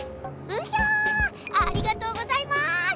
うひゃありがとうございます！